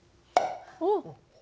おっ。